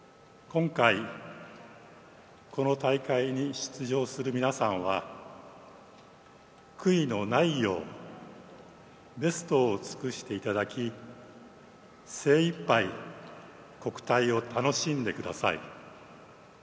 今回この大会に出場する皆さんは悔いのないようベストを尽くしていただき精一杯、国体を楽しんでください。